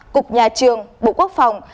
cục nhà trường bộ quốc phòng